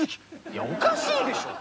いやおかしいでしょ？